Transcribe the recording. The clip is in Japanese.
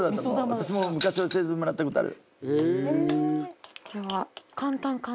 私も昔教えてもらったことある。